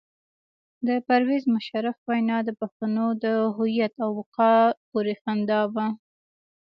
د پرویز مشرف وینا د پښتنو د هویت او وقار پورې خندا وه.